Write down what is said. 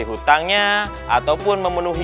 hutangnya ataupun memenuhi